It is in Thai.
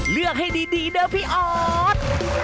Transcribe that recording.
เลือกให้ดีเดี๋ยวพี่ออต